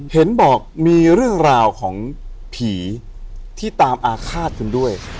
เห็นบอกมีเรื่องราวของผีที่ตามอาฆาตคุณด้วย